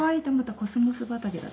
「コスモス畑」だって。